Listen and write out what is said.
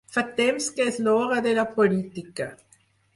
Fa temps que és l’hora de la política.